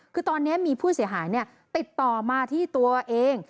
คือตอนนี้มีผู้เสียหายติดต่อมาที่ตัวเอง